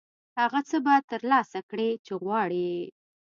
هغه څه به ترلاسه کړې چې غواړې یې.